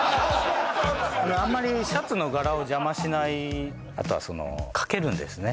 あんまりシャツの柄を邪魔しないあとはそのかけるんですね